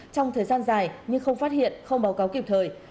trong thời gian dài nhưng không phát hiện không báo cáo kịp thời